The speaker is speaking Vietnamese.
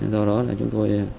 do đó là chúng tôi